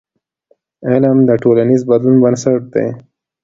علم د ټولنیز بدلون بنسټ دی.